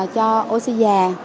cho oxy già